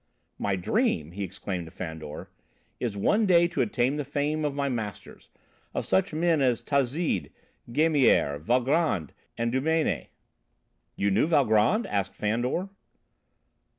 "My dream," he exclaimed to Fandor, "is one day to attain to the fame of my masters, of such men as Tazzide, Gémier, Valgrand and Dumény." "You knew Valgrand?" asked Fandor.